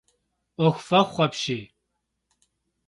Ӏуэху фӏэхъу апщий.